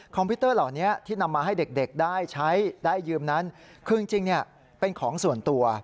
พิวเตอร์เหล่านี้ที่นำมาให้เด็กได้ใช้ได้ยืมนั้นคือจริงเป็นของส่วนตัว